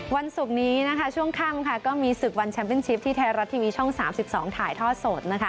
วันศุกร์นี้ช่วงค่ำก็มีศึกวันแชมป์เป้นชิปที่ไทยรัฐทีวีช่อง๓๒ถ่ายท่อสด